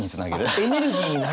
エネルギーになるんだ？